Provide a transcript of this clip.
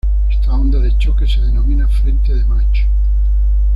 Esta onda de choque se denomina frente de Mach.